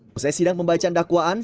setelah sidang pembacaan dakwaan